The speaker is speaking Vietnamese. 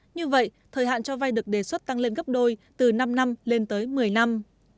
như vậy thời hạn cho vay được đề xuất tăng lên gấp đôi từ năm năm lên tới một mươi năm